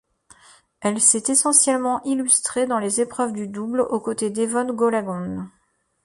Elle s'est essentiellement illustrée dans les épreuves de double, aux côtés d'Evonne Goolagong.